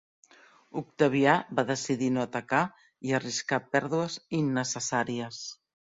Octavià va decidir no atacar i arriscar pèrdues innecessàries.